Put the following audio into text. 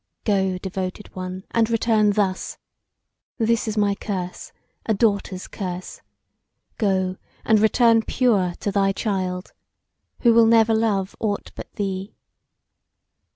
Go, Devoted One, and return thus! This is my curse, a daughter's curse: go, and return pure to thy child, who will never love aught but thee.